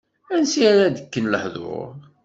Ansi ara d-kken lehdur!